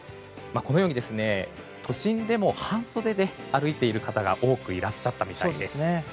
このように都心でも半袖で歩いている方が多くいらっしゃったみたいです。